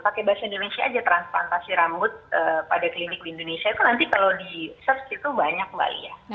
pakai bahasa indonesia aja transplantasi rambut pada klinik di indonesia itu nanti kalau di search itu banyak mbak lia